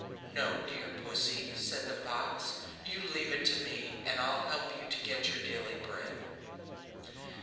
"No, dear Pussy!" said the fox; "you leave it to me, and I'll help you to get your daily bread."